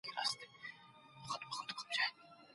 ایا ځايي کروندګر تور ممیز ساتي؟